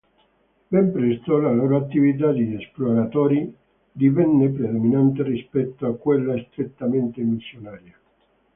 Ben presto, la loro attività di esploratori divenne predominante rispetto a quella strettamente missionaria.